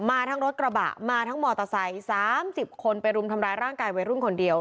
มาทั้งรถกระบะมาทั้งมอเตอร์ไซค์๓๐คนไปรุมทำร้ายร่างกายวัยรุ่นคนเดียว